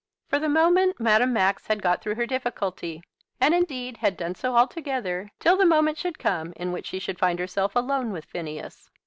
For the moment Madame Max had got through her difficulty, and, indeed, had done so altogether till the moment should come in which she should find herself alone with Phineas.